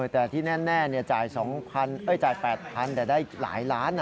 แต่ที่แน่จ่าย๘๐๐๐แต่ได้หลายล้าน